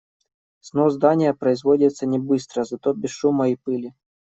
Снос здания производится не быстро, зато без шума и пыли.